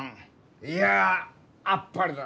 いやあっぱれだ！